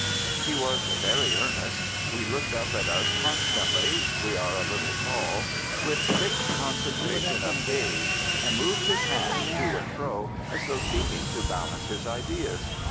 He was very earnest. He looked up at us constantly (we are a little tall) with fixed concentration of gaze, and moved his hand to and fro as though seeking to balance his ideas.